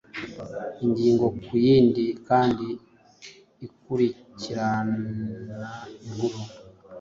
ingingo ku yindi kandi ikurikiranainkuru